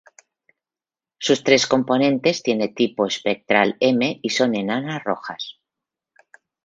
Sus tres componentes tienen tipo espectral M y son enanas rojas.